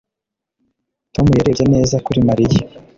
Tom yarebye neza kuri Mariya